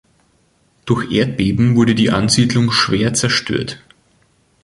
Durch Erdbeben wurde die Ansiedlung schwer zerstört.